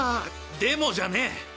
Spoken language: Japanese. でもじゃねえ！